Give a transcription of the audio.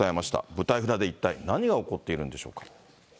舞台裏で一体何が起こっているんでしょうか。